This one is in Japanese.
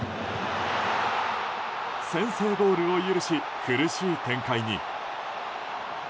先制ゴールを許し苦しい展開に。